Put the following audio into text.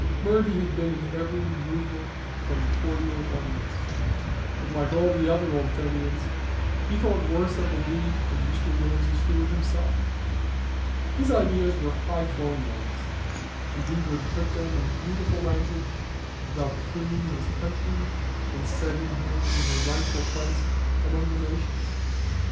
Murty had been in every 'movement' from the '48 onwards. But like all the other old Fenians, he thought worse of the League than Mr. Ramsay Stewart himself. His ideas were high flown ones, and he could put them in beautiful language, about freeing his country, and setting her in her rightful place among the nations.